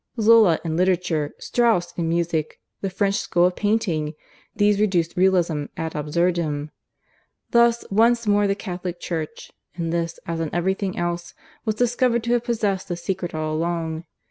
Zola in literature, Strauss in music, the French school of painting these reduced Realism ad absurdum. Thus once more the Catholic Church, in this as in everything else, was discovered to have possessed the secret all along.